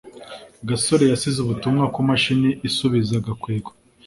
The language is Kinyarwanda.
gasore yasize ubutumwa kumashini isubiza gakwego